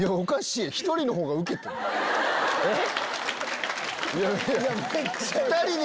えっ？